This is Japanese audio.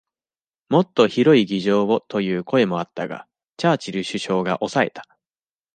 もっと広い議場をという声もあったが、チャーチル首相が抑えた。